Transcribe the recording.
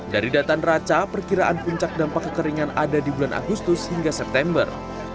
dari data neraca perkiraan puncak dampak kekeringan ada di bulan agustus hingga september